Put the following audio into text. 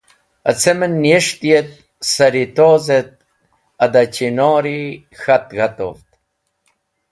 Acem en niyes̃hti et saritoz et ada chinori k̃hat g̃hatovd.